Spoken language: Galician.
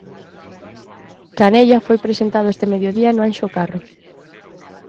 Canella foi presentado este mediodía no Anxo Carro.